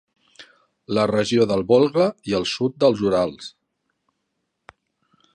La regió del Volga i el sud dels Urals.